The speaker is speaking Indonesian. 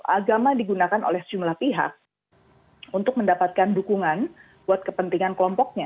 agama digunakan oleh sejumlah pihak untuk mendapatkan dukungan buat kepentingan kelompoknya